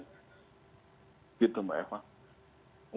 gitu mbak eva